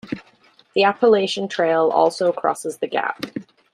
The Appalachian Trail also crosses the gap.